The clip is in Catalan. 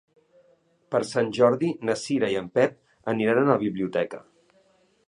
Per Sant Jordi na Cira i en Pep aniran a la biblioteca.